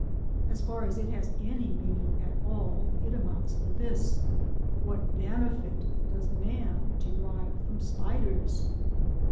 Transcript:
As far as it has any meaning at all it amounts to this: What benefit does man derive from spiders?